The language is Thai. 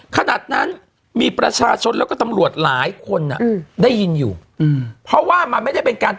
ขนาดนั้นมีประชาชนแล้วก็ตำรวจหลายคนอ่ะได้ยินอยู่อืมเพราะว่ามันไม่ได้เป็นการ